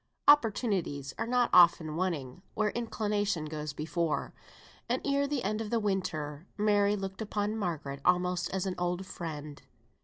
Opportunities are not often wanting where inclination goes before, and ere the end of that winter Mary looked upon Margaret almost as an old friend.